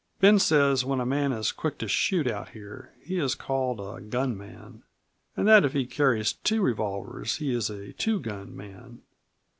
"Ben says when a man is quick to shoot out here he is called a gun man, and that if he carries two revolvers he is a two gun man.